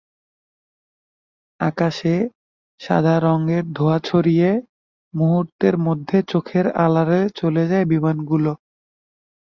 আকাশে সাদা রঙের ধোঁয়া ছড়িয়ে মুহূর্তের মধ্যে চোখের আড়ালে চলে যায় বিমানগুলো।